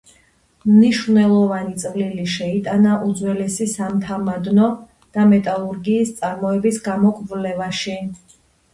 მნიშვნელოვანი წვლილი შეიტანა უძველესი სამთამადნო და მეტალურგიის წარმოების გამოკვლევაში.